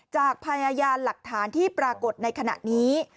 จากพยานหลักฐานที่ปรากฏในขณะนี้